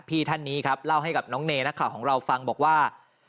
พี่ท่านนี้ครับเล่าให้กับน้องเนนักข่าวของเราฟังบอกว่า